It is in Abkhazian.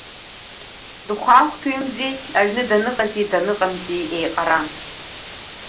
Дыхәҳаахәҭҩымзи, аҩны даныҟази даныҟамзи еиҟаран.